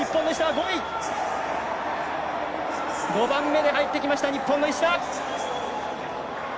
５番目で入ってきた日本の石田！